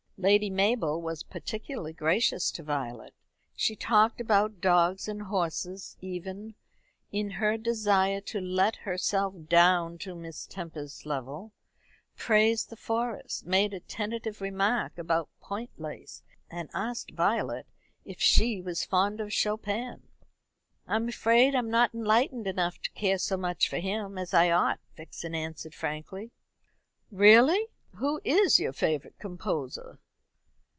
Lady Mabel was particularly gracious to Violet. She talked about dogs and horses even, in her desire to let herself down to Miss Tempest's level; praised the Forest; made a tentative remark about point lace; and asked Violet if she was fond of Chopin. "I'm afraid I'm not enlightened enough to care so much for him as I ought." Vixen answered frankly. "Really! Who is your favourite composer?"